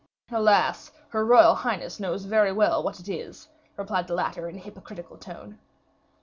"Alas! her royal highness knows very well what it is," replied the latter, in a hypocritical tone.